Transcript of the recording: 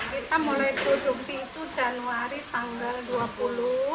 kita mulai produksi itu januari tanggal dua puluh